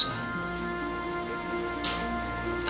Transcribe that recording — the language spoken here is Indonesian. sampai jumpa lagi